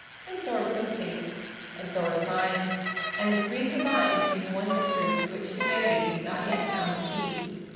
and so are sympathies; and so are signs; and the three combined make one mystery to which humanity has not yet found the key.